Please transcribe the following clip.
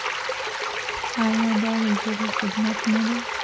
آیا دا د ژبې خدمت نه دی؟